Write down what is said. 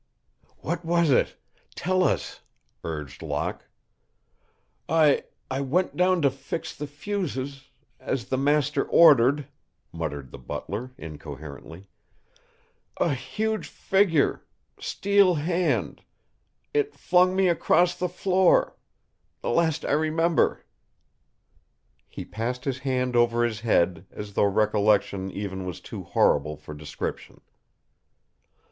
"What was it tell us?" urged Locke. "I I went down to fix the fuses as the master ordered," muttered the butler, incoherently. "A huge figure steel hand it flung me across the floor the last I remember." He passed his hand over his head as though recollection even was too horrible for description.